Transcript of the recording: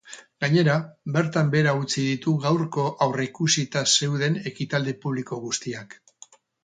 Gainera, bertan behera utzi ditu gaurko aurreikusita zeuden ekitaldi publiko guztiak.